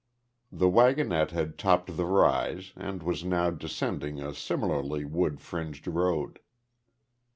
The waggonette had topped the rise, and was now descending a similarly wood fringed road.